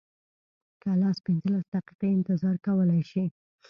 که لس پنځلس دقیقې انتظار کولی شې.